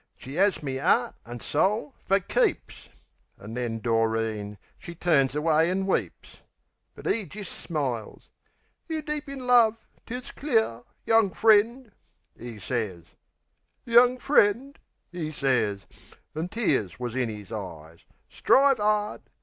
She 'as me 'eart an' soul fer keeps!" An' then Doreen, she turns away an' weeps; But 'e jist smiles. "Yer deep in love, 'tis clear, Young friend," 'e sez. "Young friend," 'e sez an' tears wus in 'is eyes "Strive 'ard.